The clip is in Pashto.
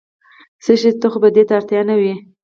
څه شي ته خو به دې اړتیا نه وي؟